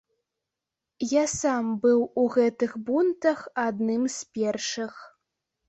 Я сам быў у гэтых бунтах адным з першых.